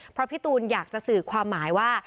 เพราะพี่ตูนอยากจะสื่อความหมายว่า